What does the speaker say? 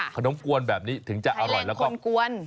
ขนมกวนแบบนี้ถึงจะอร่อยแล้วก็ใช้แรงคนกวน